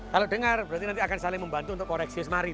kalau dengar berarti nanti akan saling membantu untuk koreksimari